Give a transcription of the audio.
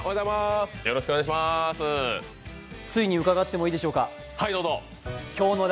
ついに伺ってもいいでしょうか？